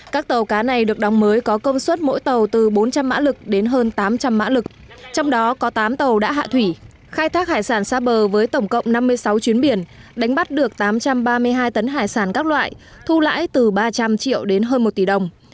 các tàu cá này được đóng mới có công suất mỗi tàu từ bốn trăm linh mã lực đến hơn tám trăm linh mã lực trong đó có tám tàu đã hạ thủy khai thác hải sản xa bờ với tổng cộng năm mươi sáu chuyến biển đánh bắt được tám trăm ba mươi hai tấn hải sản các loại thu lãi từ ba trăm linh triệu đến hơn một tỷ đồng